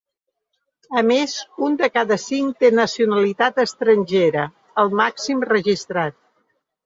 A més, un de cada cinc té nacionalitat estrangera, el màxim registrat.